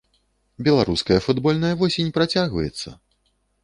Беларуская футбольная восень працягваецца!